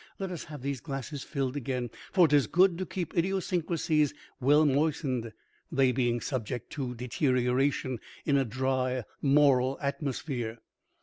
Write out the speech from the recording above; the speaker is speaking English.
Let us have these glasses filled again, for 'tis good to keep idiosyncrasies well moistened, they being subject to deterioration in a dry moral atmosphere."